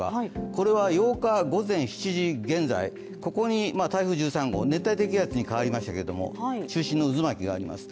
これは８日午前７時現在、ここに台風１３号、熱帯低気圧に変わりましたけど中心の渦巻きがあります。